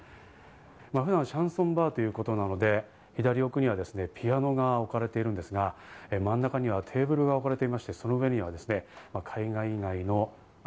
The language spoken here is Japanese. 普段、シャンソンバーということなので、左奥にはピアノが置かれているんですが真ん中にはテーブルが置かれていまして、その上には絵画以外のア